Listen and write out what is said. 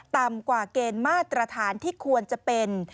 ต่ำกว่าเกณฑ์มาตรฐานที่ควรจะเป็น